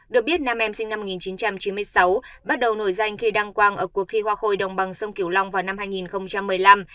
được biết nam em sinh năm một nghìn chín trăm chín mươi sáu bắt đầu nổi danh khi đăng quang ở cuộc thi hoa khôi đồng bằng sông kiểu long vào năm hai nghìn một mươi năm